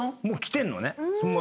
もう来てんのね？